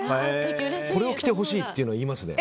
これを着てほしいとは言いますね。